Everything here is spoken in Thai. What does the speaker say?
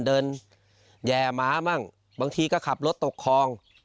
เดินแย่หมามั่งบางทีก็ขับรถตกคลอง